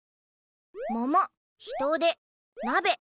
ももひとでなべ。